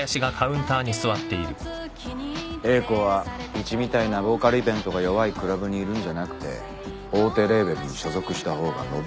英子はうちみたいなボーカルイベントが弱いクラブにいるんじゃなくて大手レーベルに所属した方が伸びる。